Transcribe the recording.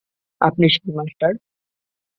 আপনি সেই মাস্টার।